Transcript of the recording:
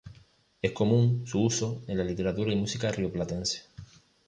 Es común su uso en la literatura y música rioplatense.